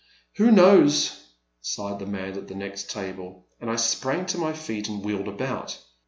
" Who knows," sighed the man at the next table, and I sprang to my feet and wheeled about.